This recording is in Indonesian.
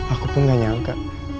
aku pun gak nyangka